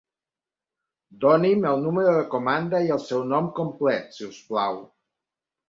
Doni'm el número de comanda i el seu nom complet si us plau.